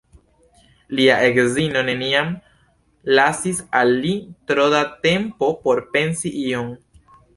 Lia edzino neniam lasis al li tro da tempo por pensi ion.